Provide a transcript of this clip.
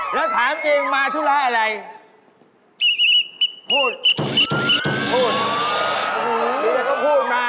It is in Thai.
แล้วถามเองมาธุระอะไรพูดพูดหูยนี่ก็พูดมา